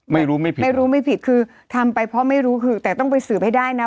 ไม่รู้ไม่ผิดไม่รู้ไม่ผิดคือทำไปเพราะไม่รู้คือแต่ต้องไปสืบให้ได้นะ